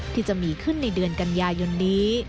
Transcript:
ที่จะมีขึ้นในเดือนกันยายนนี้